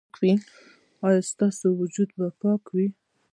ایا ستاسو وجود به پاک وي؟